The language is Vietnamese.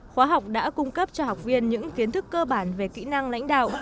khóa học đã cung cấp cho học viên những kiến thức cơ bản về kỹ năng lãnh đạo